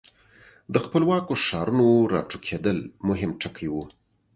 د خپلواکو ښارونو را ټوکېدل مهم ټکي وو.